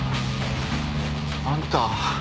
あんた。